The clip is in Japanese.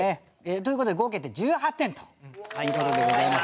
ということで合計点１８点ということでございますね。